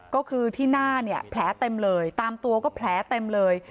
ก็คือที่หน้าเนี่ยแผลเต็มเลยตามตัวก็แผลเต็มเลย